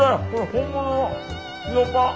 本物の塩パン！